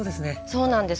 そうなんです。